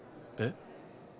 えっ？